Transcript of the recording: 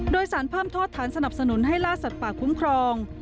โดยสารเพิ่มโทษฐานสนับสนุนให้ล่าสัตว์ป่าคุ้มครอง